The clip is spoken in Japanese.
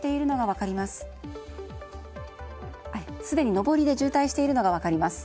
すでに上りで渋滞しているのが分かります。